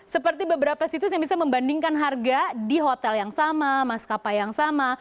seperti beberapa situs yang bisa membandingkan harga di hotel yang sama maskapai yang sama